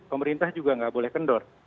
pemerintah juga nggak boleh kendor